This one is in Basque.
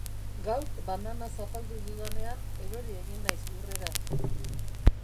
Gaur banana zapaldu dudanean erori egin naiz lurrera.